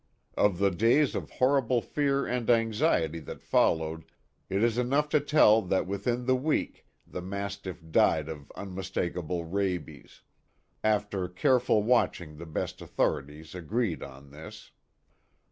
Of the days of horrible fear and anxiety that followed it is enough to tell tha^t within the week the mastiff died of unmistakable "rabies "; after careful watching the best authorities agreed on this.